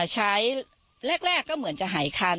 ใช้แรกก็เหมือนจะหายคัน